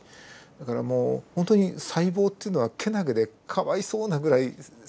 だからもう本当に細胞っていうのはけなげでかわいそうなぐらい繊細なもので。